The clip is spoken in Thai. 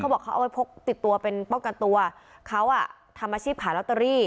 บอกเขาเอาไว้พกติดตัวเป็นป้องกันตัวเขาอ่ะทำอาชีพขายลอตเตอรี่